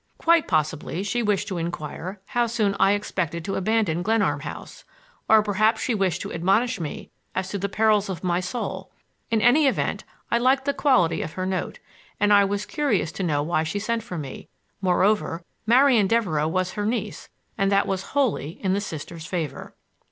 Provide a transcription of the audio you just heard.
Quite possibly she wished to inquire how soon I expected to abandon Glenarm House; or perhaps she wished to admonish me as to the perils of my soul. In any event I liked the quality of her note, and I was curious to know why she sent for me; moreover, Marian Devereux was her niece and that was wholly in the Sister's favor.